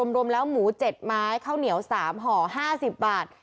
รวมแล้วหมู๗ไม้ข้าวเหนียว๓ห่อ๕๐บาท